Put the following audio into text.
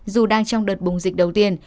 dù đang trong đợt bùng dịch đầu tiên